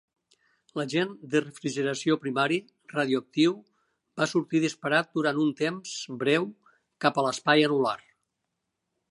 L'agent de refrigeració primari radioactiu va sortir disparat durant un temps breu cap a l'espai anular.